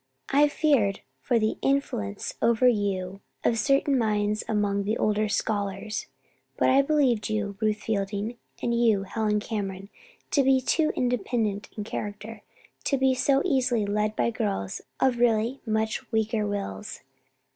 "I feared for the influence over you of certain minds among the older scholars; but I believed you, Ruth Fielding, and you, Helen Cameron, to be too independent in character to be so easily led by girls of really much weaker wills.